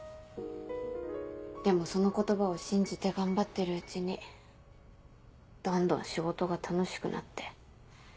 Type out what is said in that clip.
でもその言葉を信じて頑張ってるうちにどんどん仕事が楽しくなって。